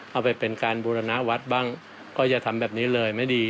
เอาไปเป็นการบูรณวัดบ้างก็อย่าทำแบบนี้เลยไม่ดี